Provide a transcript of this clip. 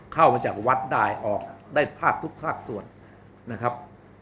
เข้ามาจากวัดได้ออกได้ภาคทุกภาคส่วนนะครับ